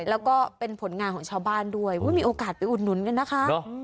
แล้วก็เป็นผลงานของชาวบ้านด้วยมีโอกาสไปอุดหนุนกันนะคะ